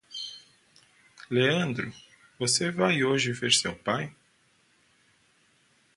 Leandro, você vai hoje ver seu pai?